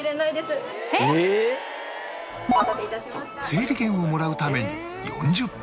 整理券をもらうために４０分